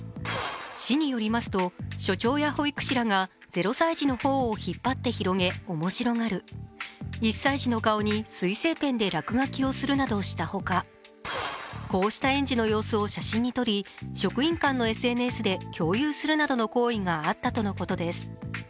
市によりますと、所長や保育士らが０歳児の頬を引っ張って広げて面白がる１歳児の顔に水性ペンで落書きをするなどしたほか、こうした園児の様子を写真に撮り職員間のＳＮＳで共有するなどの行為があったとのことです。